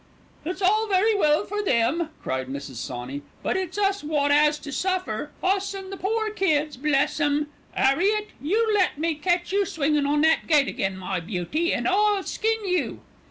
"It's all very well for them," cried Mrs. Sawney; "but it's us wot 'as to suffer, us and the pore kids, bless 'em. 'Arriet, you let me catch you swingin' on that gate again, my beauty, and I'll skin you."